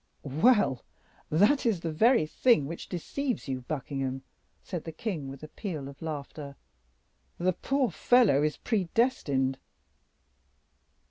"Well, that is the very thing which deceives you, Buckingham," said the king, with a peal of laughter; "the poor fellow is predestined."